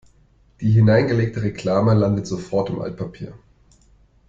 Die hineingelegte Reklame landet sofort im Altpapier.